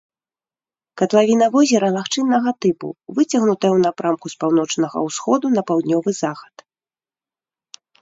Катлавіна возера лагчыннага тыпу, выцягнутая ў напрамку з паўночнага ўсходу на паўднёвы захад.